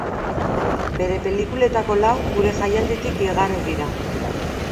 Bere pelikuletako lau gure jaialditik igaro dira.